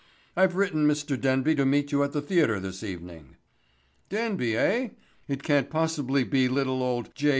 I've written Mr. Denby to meet you at the theatre this evening." "Denby, eh? It can't possibly be little old J.